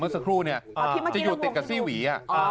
เมื่อสักครู่จะอยู่ติดกับซี่หวี